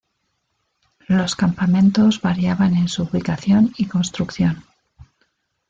Los campamentos variaban en su ubicación y construcción.